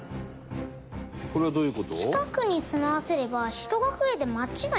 これはどういう事？